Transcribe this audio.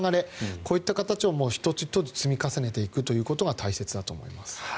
こういった形を１つ１つ積み重ねていくことが大切だと思います。